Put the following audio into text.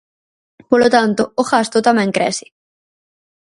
Polo tanto, o gasto tamén crece.